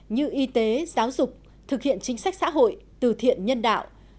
như y tế giáo dục thực hiện chính sách xã hội từ thiện nhân đạo